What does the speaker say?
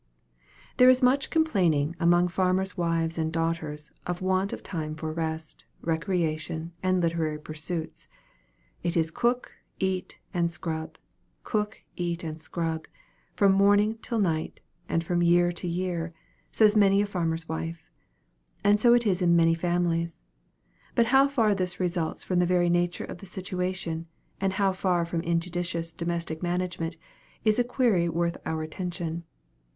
There is much complaint among farmers' wives and daughters, of want of time for rest, recreation, and literary pursuits. "It is cook, eat, and scrub cook, eat, and scrub, from morning till night, and from year to year," says many a farmer's wife. And so it is in many families. But how far this results from the very nature of the situation, and how far from injudicious domestic management, is a query worthy of our attention.